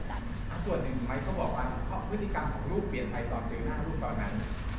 ส่วนหนึ่งไม้เขาบอกว่าพฤติกรรมของลูกเปลี่ยนไปตอนเจอหน้าลูกตอนนั้น